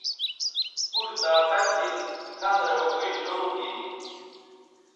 پورطاقت گھن کھن رے اوکئ شرو گیگی